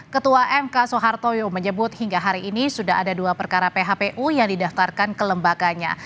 ketua mk soehartoyo menyebut hingga hari ini sudah ada dua perkara phpu yang didaftarkan ke lembaganya